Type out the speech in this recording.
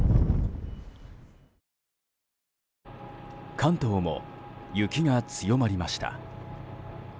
関東も雪が強まりました。